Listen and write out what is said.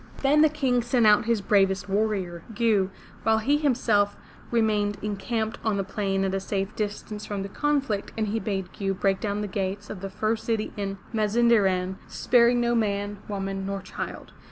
Then the King sent out his bravest warrior, Gew, while he himself remained encamped on the plain at a safe distance from the conflict and he bade Gew break down the gates of the first city in Mazinderan, sparing no man, woman nor child.